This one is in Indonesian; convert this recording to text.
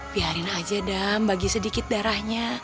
biarin aja dam bagi sedikit darahnya